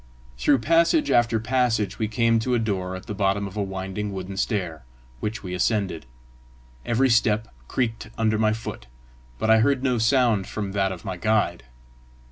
Through passage after passage we came to a door at the bottom of a winding wooden stair, which we ascended. Every step creaked under my foot, but I heard no sound from that of my guide.